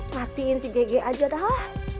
hatiin si gege aja dah